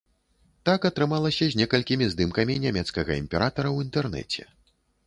Так атрымалася з некалькімі здымкамі нямецкага імператара ў інтэрнэце.